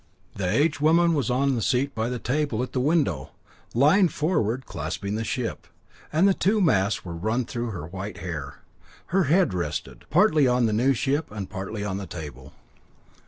The aged woman was on the seat by the table at the window, lying forward clasping the ship, and the two masts were run through her white hair; her head rested, partly on the new ship and partly on the table.